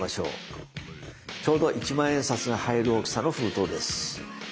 ちょうど一万円札が入る大きさの封筒です。